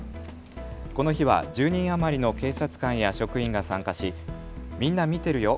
この日は１０人余りの警察官や職員が参加し、みんな見てるよ！